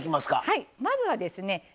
はいまずはですね